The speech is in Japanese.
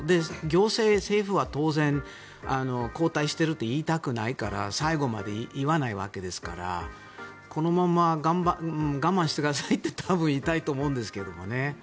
行政、政府は当然、後退してるって言いたくないから最後まで言わないわけですからこのまま我慢してくださいって多分言いたいと思うんですけどね。